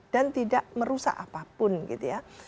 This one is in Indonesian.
dan tidak merusak apapun gitu ya